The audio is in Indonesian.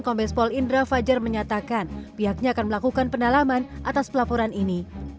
kombes paul indra fajar menyatakan pihaknya akan melakukan penalaman atas pelaporan ini